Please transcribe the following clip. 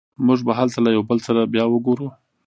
موږ به هلته له یو بل سره بیا وګورو